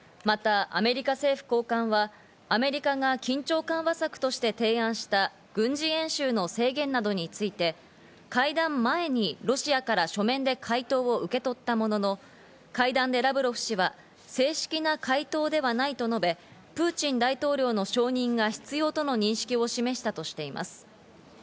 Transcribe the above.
またアメリカ政府高官はアメリカが緊張緩和策として提案した軍事演習の制限などについて会談前にロシアから書面で回答を受け取ったものの、会談でラブロフ氏は、正式な回答ではないと述べ、プーチン大統領の承認が必要との認識を示したとしています。